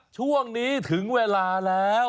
ช่วงนี้ถึงเวลาแล้ว